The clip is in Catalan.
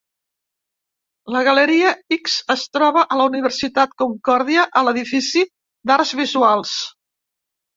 La galeria X es troba a la Universitat Concordia, a l'edifici d'Arts Visuals.